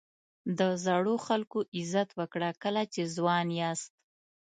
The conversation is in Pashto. د زړو خلکو عزت وکړه کله چې ځوان یاست.